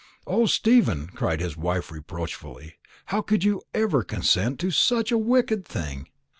'" "O, Stephen!" cried his wife reproachfully, "how could you ever consent to such a wicked thing?"